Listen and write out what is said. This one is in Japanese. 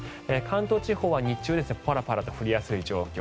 関東地方は日中パラパラと降りやすい状況。